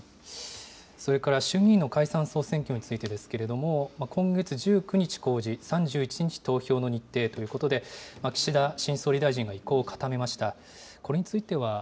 それから衆議院の解散・総選挙についてですけれども、今月１９日公示、３１日投票の日程ということで、岸田新総理大臣が意向を固めました。